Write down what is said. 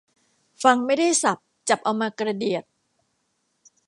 ฟังไม่ได้ศัพท์ จับเอามากระเดียด